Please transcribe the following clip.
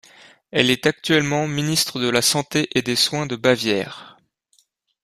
Elle est actuellement ministre de la Santé et des Soins de Bavière.